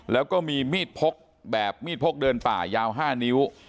แล้วก็มีมีดพกแบบมีดพกเดินป่ายาว๕นิ้ว